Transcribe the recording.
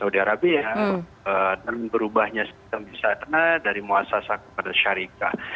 dan berubahnya sistem bisa terkena dari muasasa kepada syarikat